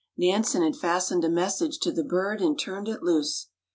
Nansen had fastened a message to the bird and turned it loose.